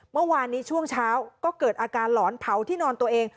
เมื่อวานนี้ช่วงเช้าก็เกิดอาการหลอนเผาที่นอนตัวเอง